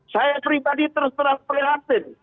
saya pribadi terus terus perhatikan